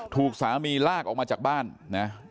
ถูกสามีลากออกมาจากบ้านนะ